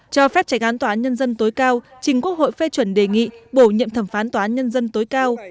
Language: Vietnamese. cho phép tránh án tòa án nhân dân tối cao trình quốc hội phê chuẩn đề nghị bổ nhiệm thẩm phán tòa án nhân dân tối cao